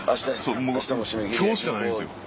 もう今日しかないんですよ。